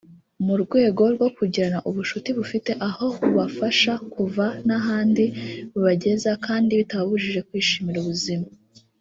mu rwego rwo kugirana ubucuti bufite aho bubafasha kuva n’ahandi bubageza kandi bitababujije kwishimira ubuzima